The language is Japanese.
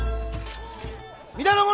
皆の者！